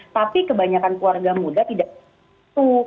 tapi kebanyakan keluarga muda tidak tahu